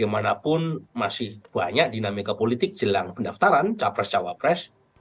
bagaimanapun masih banyak dinamika politik jelang pendaftaran capres cawapres